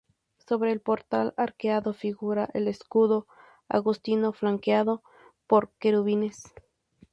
Sobre el portal arqueado figura el escudo agustino flanqueado por querubines.